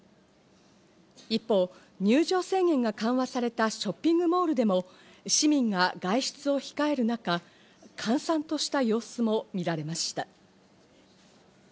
一方、入場制限が緩和されたショッピングモールでも市民が外出を控える中、閑散とした様子も見られました。